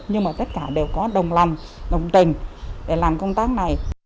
nhưng mà tất cả đều có đồng lòng đồng tình để làm công tác này